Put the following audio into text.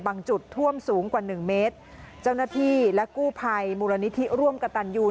จุดท่วมสูงกว่าหนึ่งเมตรเจ้าหน้าที่และกู้ภัยมูลนิธิร่วมกับตันยู